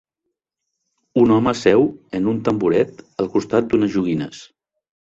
Un home seu en un tamboret al costat d'unes joguines.